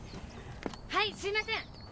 はいすいません。